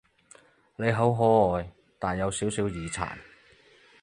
你好可愛，但有少少耳殘